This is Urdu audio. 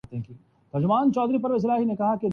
مجھے نہیں معلوم۔